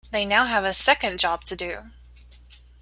They now have a second job to do.